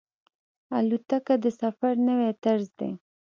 الوتکه د سفر نوی طرز دی.